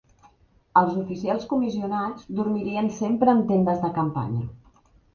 Els oficials comissionats dormirien sempre en tendes de campanya.